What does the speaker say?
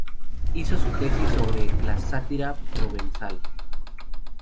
Hizo su tesis sobre la sátira provenzal.